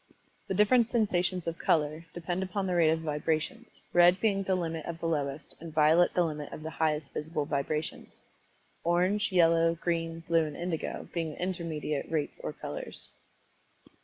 The different sensations of color, depend upon the rate of the vibrations, red being the limit of the lowest, and violet the limit of the highest visible vibrations orange, yellow, green, blue, and indigo being the intermediate rates or colors.